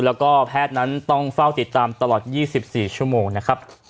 แล้วก็แพทย์นั้นต้องเฝ้าติดตามตลอด๒๔ชั่วโมงนะครับ